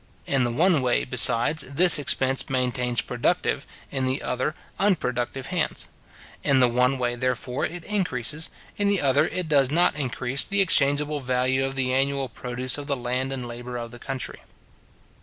In the one way, besides, this expense maintains productive, in the other unproductive hands. In the one way, therefore, it increases, in the other it does not increase the exchangeable value of the annual produce of the land and labour of the country.